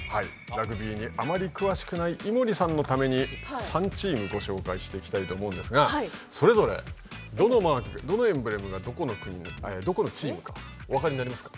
ラグビーにあまり詳しくない井森さんのために３チームご紹介していきたいと思うんですがそれぞれどのエンブレムがどこのチームかお分かりになりますか。